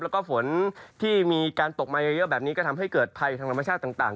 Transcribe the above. แล้วก็ฝนที่มีการตกมาเยอะแบบนี้ก็ทำให้เกิดภัยทางธรรมชาติต่าง